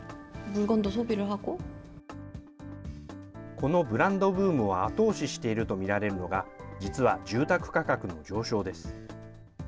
このブランドブームを後押ししていると見られるのが、実は住宅価格の上昇です。